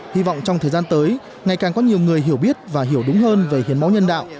hy vọng trong thời gian tới ngày càng có nhiều người hiểu biết và hiểu đúng hơn về hiến máu nhân đạo